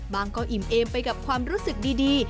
ก็อิ่มเอมไปกับความรู้สึกดี